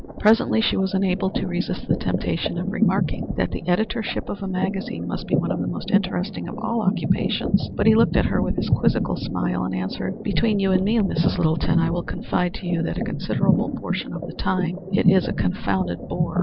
Presently she was unable to resist the temptation of remarking that the editorship of a magazine must be one of the most interesting of all occupations; but he looked at her with his quizzical smile, and answered: "Between you and me, Mrs. Littleton, I will confide to you that a considerable portion of the time it is a confounded bore.